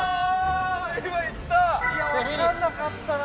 いや分かんなかったな